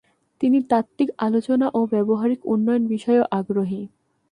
তিনি তাত্ত্বিক আলোচনা ও ব্যবহারিক উন্নয়ন বিষয়েও আগ্রহী।